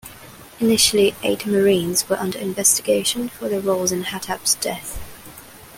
Initially eight Marines were under investigation for their roles in Hatab's death.